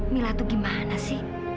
mila tuh gimana sih